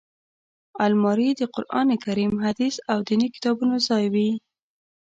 الماري د قران کریم، حدیث او ديني کتابونو ځای وي